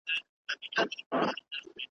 داسې غرق په مینه چا کړم راته وایه مینتوبه